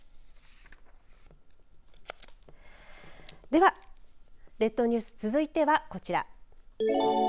では、列島ニュース続いてはこちら。